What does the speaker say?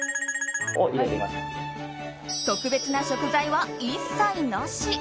特別な食材は一切なし。